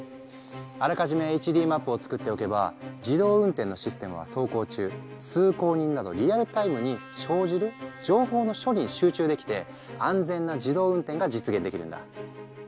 あらかじめＨＤマップを作っておけば自動運転のシステムは走行中通行人などリアルタイムに生じる情報の処理に集中できて安全な自動運転が実現できるんだ。